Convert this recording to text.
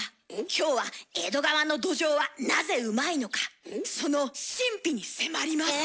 今日は、江戸川のどじょうはなぜうまいのかその神秘に迫ります。